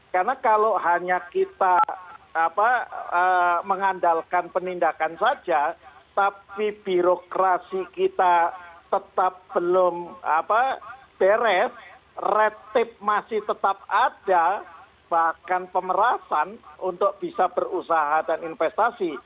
karena kalau hanya kita mengandalkan penindakan saja tapi birokrasi kita tetap belum beres red tape masih tetap ada bahkan pemerasan untuk bisa berusaha dan investasi